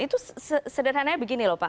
itu sederhananya begini loh pak